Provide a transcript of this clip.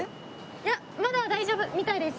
いやまだ大丈夫みたいです。